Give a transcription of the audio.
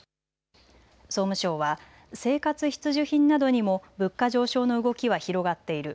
総務省は生活必需品などにも物価上昇の動きは広がっている。